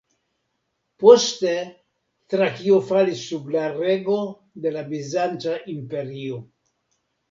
Poste, Trakio falis sub la rego de la Bizanca Imperio.